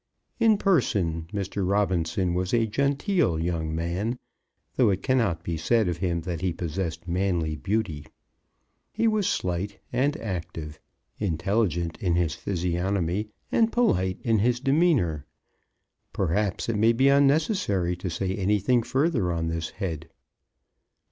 In person Mr. Robinson was a genteel young man, though it cannot be said of him that he possessed manly beauty. He was slight and active, intelligent in his physiognomy, and polite in his demeanour. Perhaps it may be unnecessary to say anything further on this head.